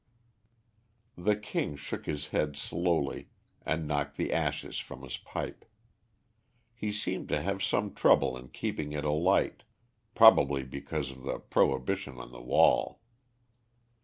The King shook his head slowly, and knocked the ashes from his pipe. He seemed to have some trouble in keeping it alight, probably because of the prohibition on the wall.